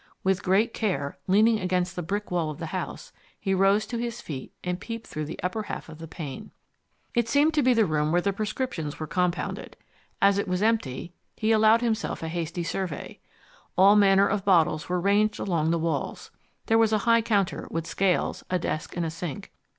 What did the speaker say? With great care, leaning against the brick wall of the house, he rose to his feet and peeped through the upper half of the pane. It seemed to be the room where prescriptions were compounded. As it was empty, he allowed himself a hasty survey. All manner of bottles were ranged along the walls; there was a high counter with scales, a desk, and a sink.